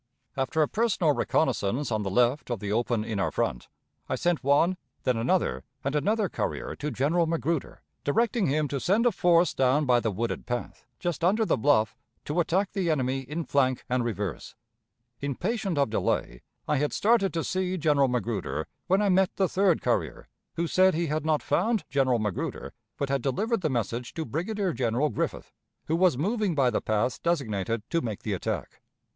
After a personal reconnaissance on the left of the open in our front, I sent one, then another, and another courier to General Magruder, directing him to send a force down by the wooded path, just under the bluff, to attack the enemy in flank and reverse. Impatient of delay, I had started to see General Magruder, when I met the third courier, who said he had not found General Magruder, but had delivered the message to Brigadier General Griffith, who was moving by the path designated to make the attack.